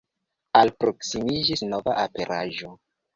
Al li proksimiĝis nova aperaĵo.